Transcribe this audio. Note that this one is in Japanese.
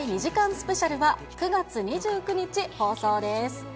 スペシャルは、９月２９日放送です。